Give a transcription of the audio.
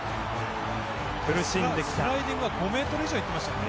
スライディング５ｍ以上行ってましたから。